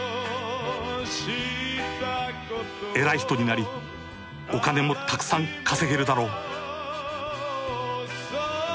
「偉い人になり、お金も沢山稼げるだろう」。